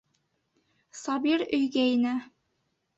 Сабир өйгә инә.